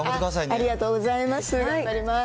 ありがとうございます。